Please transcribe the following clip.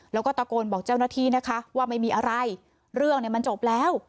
แล้วก็ตะโกนบอกเจ้าหน้าที่นะคะว่าไม่มีอะไรเรื่องเนี่ยมันจบแล้ว